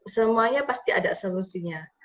semuanya pasti ada solusinya